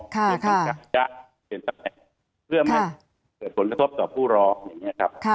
ในการการแก่เตือนสำเนี่ยเพื่อไม่เกิดผลทบต่อผู้หลอก